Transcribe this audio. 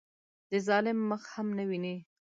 د ظالم مخ هم نه ویني.